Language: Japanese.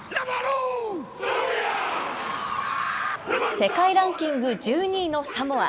世界ランキング１２位のサモア。